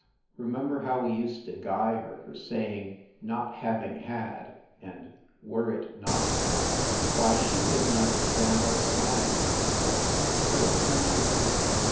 Remember how we used to guy her for saying "not having had" and "were it not that?" Why, she couldn t understand our slang half the time. Sort of country, you know.